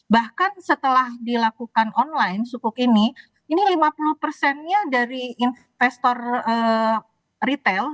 bahkan setelah dilakukan online sukuk ini ini lima puluh persennya dari investor retail